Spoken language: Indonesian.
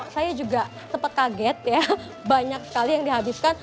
saya juga sempat kaget ya banyak sekali yang dihabiskan